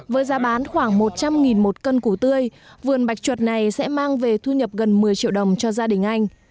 với giá bán khoảng một trăm linh một cân củ tươi vườn bạch chuột này sẽ mang về thu nhập gần một mươi triệu đồng cho gia đình anh